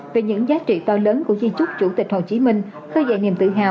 về những giá trị to lớn của di chúc chủ tịch hồ chí minh khơi dạy niềm tự hào